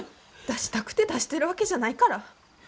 出したくて出してるわけじゃないから。